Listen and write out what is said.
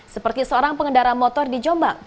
seperti seorang pengendara motor di jombang